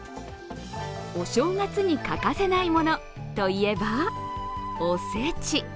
お正月に欠かせないものといえば、お節。